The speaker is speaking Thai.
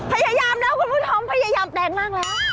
พยายามแล้วคุณผู้ชมพยายามแปลงร่างแล้ว